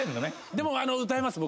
でも歌えます僕。